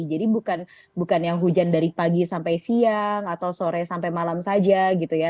bukan yang hujan dari pagi sampai siang atau sore sampai malam saja gitu ya